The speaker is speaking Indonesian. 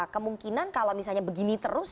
kemungkinan kalau misalnya begini terus